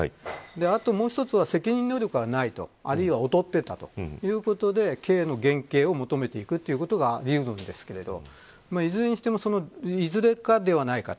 あともう一つは責任能力はない劣っていたということで刑の減刑を求めていくことがあり得るんですけどいずれにしてもいずれかではないかと。